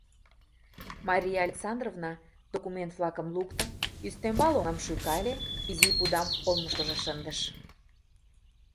Мария Александровна документ-влакым лукто, ӱстембал оҥам шӱкале, изи пудам олмышкыжо шындыш.